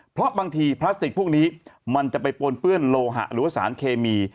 เพราะบางทีพลาสติกพวกนี้มันจะไปปนเปื้อนโลหะหรือว่าสารเคมี